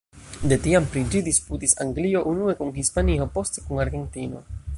De tiam pri ĝi disputis Anglio unue kun Hispanio, poste kun Argentino.